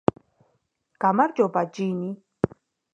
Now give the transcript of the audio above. გამარჯობა ჯინი